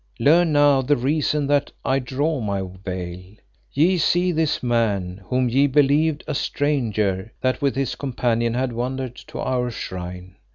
Learn now the reason that I draw my veil. Ye see this man, whom ye believed a stranger that with his companion had wandered to our shrine.